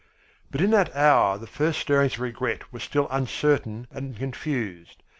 But in that hour the first stirrings of regret were still uncertain and confused.